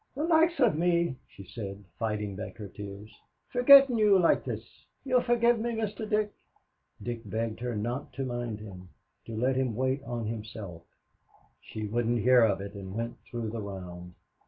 "The likes of me," she said, fighting back her tears, "forgettin' you like this. Ye'll forgive me, Mr. Dick?" Dick begged her not to mind him, to let him wait on himself she wouldn't hear of it, but went through the round.